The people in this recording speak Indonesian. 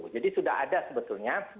jadi sudah ada sebetulnya